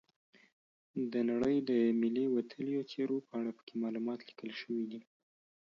د نړۍ د ملي وتلیو څیرو په اړه پکې معلومات لیکل شوي دي.